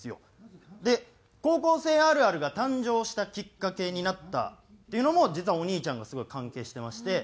で「高校生あるある」が誕生したきっかけになったっていうのも実はお兄ちゃんがすごい関係してまして。